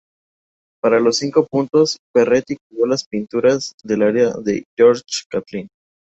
Para los Cinco Puntos, Ferretti recreó las pinturas del área de George Catlin.